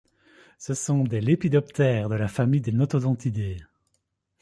Ce sont des lépidoptères de la famille des notodontidés.